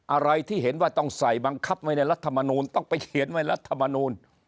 อะไรที่เห็นว่าต้องใส่บังคับไว้ในรัฐมนูลต้องไปเขียนไว้รัฐมนูล